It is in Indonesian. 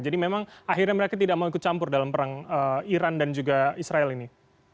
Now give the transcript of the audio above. jadi memang akhirnya mereka tidak mau ikut campur dalam perang iran dan juga israel ini